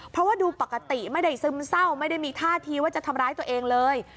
เพราะว่าดูปกติไม่ได้ซึมเศร้าไม่ได้มีท่าทีว่าจะทำร้ายตัวเองเลย